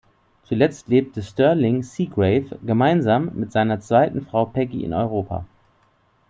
Zuletzt lebte Sterling Seagrave gemeinsam mit seiner zweiten Frau Peggy in Europa.